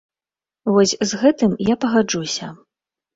Вось з гэтым я пагаджуся.